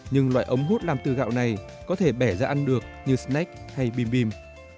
nhưng loại ống hút làm từ gạo này có thể bẻ ra ăn được như snack hay bim bim